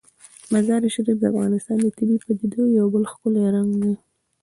مزارشریف د افغانستان د طبیعي پدیدو یو بل ښکلی رنګ دی.